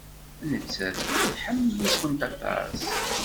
Nettat tḥemmel-ikent aṭas.